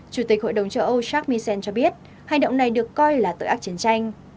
chủ tịch hội đồng châu âu jacm misson cho biết hành động này được coi là tội ác chiến tranh